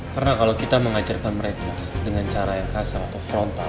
karena kalau kita mengajarkan mereka dengan cara yang kasar atau frontal